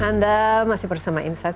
anda masih bersama insight